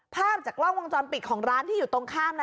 ภาพจากกล้องวงจรปิดของร้านที่อยู่ตรงข้ามนะ